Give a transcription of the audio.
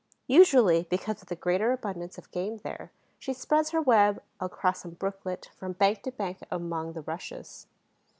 Usually, because of the greater abundance of game there, she spreads her web across some brooklet, from bank to bank, among the rushes.